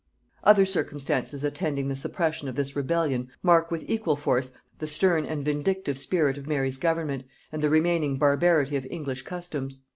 ] Other circumstances attending the suppression of this rebellion mark with equal force the stern and vindictive spirit of Mary's government, and the remaining barbarity of English customs.